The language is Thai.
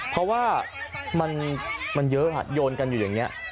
เพราะว่ามันเยอะโยนกันอยู่อย่างนี้